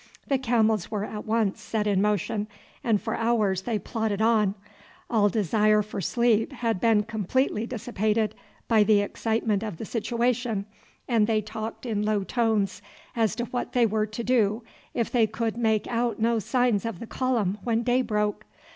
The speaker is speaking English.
The camels were at once set in motion, and for hours they plodded on. All desire for sleep had been completely dissipated by the excitement of the situation, and they talked in low tones as to what they were to do if they could make out no signs of the column when day broke.